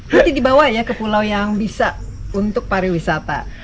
nanti dibawa ya ke pulau yang bisa untuk pariwisata